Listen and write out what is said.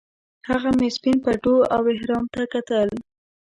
هغه مې سپین پټو او احرام ته کتل.